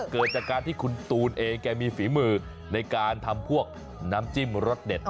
เกิดจากการที่คุณตูนเองแกมีฝีมือในการทำพวกน้ำจิ้มรสเด็ด